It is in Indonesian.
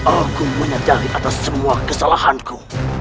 aku menyadari atas semua kesalahanku